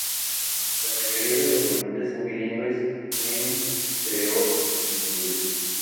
La mayoría de los hablantes son bilingües en creole y español.